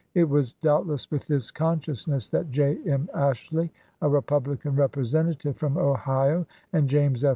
It was doubt less with this consciousness that J. M. Ashley, a Republican Representative from Ohio, and James F.